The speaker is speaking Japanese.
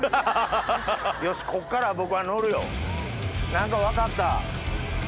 何か分かった。